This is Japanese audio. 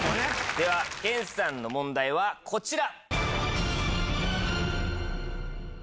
では健さんの問題はこちら！